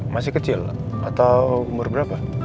masih kecil atau umur berapa